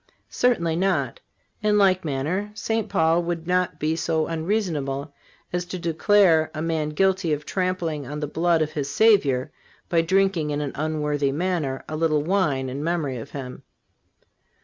Certainly not. In like manner, St. Paul would not be so unreasonable as to declare a man guilty of trampling on the blood of his Savior by drinking in an unworthy manner a little wine in memory of Him.